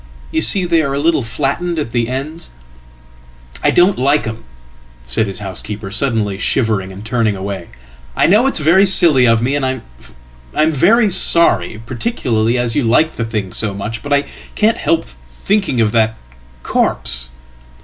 You see they are a little flattened at the ends.""I don't like 'em," said his housekeeper, suddenly shivering and turningaway. "I know it's very silly of me and I'm very sorry, particularly asyou like the thing so much. But I can't help thinking of that corpse.""